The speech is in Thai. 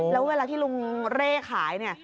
แล้วเวลาที่ลุงเร่ขายเนี่ย